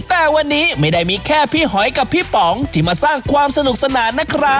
แต่วันนี้ไม่ได้มีแค่พี่หอยกับพี่ป๋องที่มาสร้างความสนุกสนานนะครับ